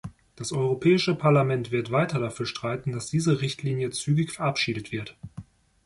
Das Europäische Parlament wird weiter dafür streiten, dass diese Richtlinie zügig verabschiedet wird.